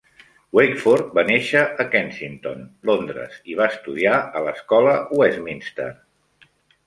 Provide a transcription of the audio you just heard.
Wakeford va néixer a Kensington, Londres, i va estudiar a l'escola Westminster.